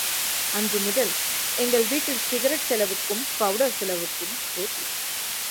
அன்று முதல் எங்கள் வீட்டில் சிகரெட் செலவுக்கும் பவுடர் செலவுக்கும் போட்டி.